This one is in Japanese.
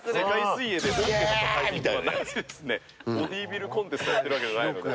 ボディビルコンテストをやってるわけじゃないので。